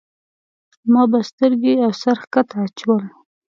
ما به سترګې او سر ښکته اچول.